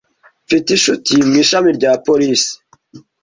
Mfite inshuti mu ishami rya polisi.